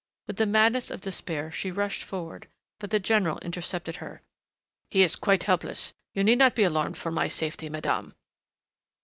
With the madness of despair she rushed forward, but the general intercepted her. "He is quite helpless.... You need not be alarmed for my safety, madame!"